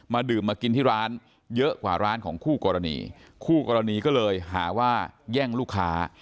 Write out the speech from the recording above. ดื่มมากินที่ร้านเยอะกว่าร้านของคู่กรณีคู่กรณีก็เลยหาว่าแย่งลูกค้า